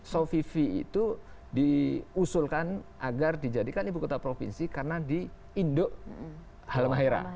sovivi itu diusulkan agar dijadikan ibu kota provinsi karena di indo halmahera